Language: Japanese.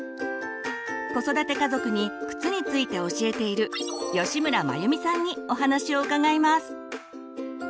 子育て家族に靴について教えている吉村眞由美さんにお話を伺います。